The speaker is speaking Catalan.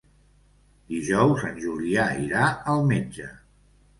Dijous en Julià irà al metge.